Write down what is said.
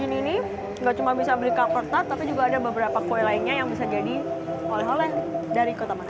jadi di sini ini gak cuma bisa beli kelapa tart tapi juga ada beberapa kue lainnya yang bisa jadi oleh oleh dari kota manado